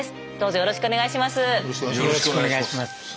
よろしくお願いします。